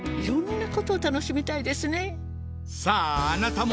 さああなたも！